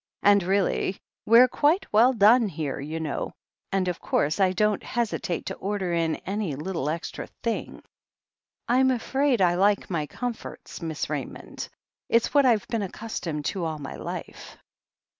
* And really we're quite well done here, you know, and of course I don't hesitate to order in any little extra thing. I'm afraid I like my comforts. Miss Raymond. It's what I've been accustomed to all my life."